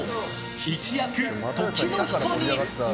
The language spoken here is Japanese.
一躍、時の人に。